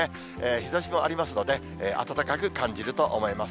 日ざしもありますので、暖かく感じると思います。